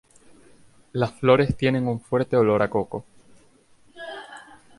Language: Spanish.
Las flores tienen un fuerte olor a coco.